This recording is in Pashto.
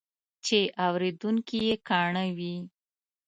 چې اورېدونکي یې کاڼه وي.